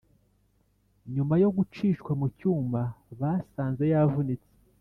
nyuma yo gucishwa mu cyuma basanze yavunitse